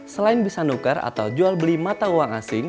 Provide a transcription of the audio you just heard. selain bisa nukar atau jual beli mata uang asing